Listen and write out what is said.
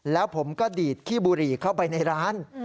แล้วผมก็ดีดขี้บุหรี่เข้าไปในร้าน